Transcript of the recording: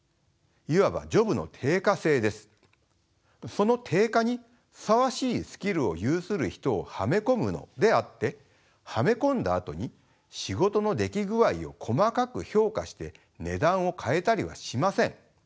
その定価にふさわしいスキルを有する人をはめ込むのであってはめ込んだあとに仕事の出来具合を細かく評価して値段を変えたりはしません。